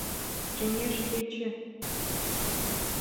Кеҥеж кече.